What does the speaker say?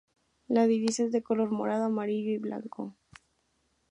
La divisa es de color morado, amarillo y blanco.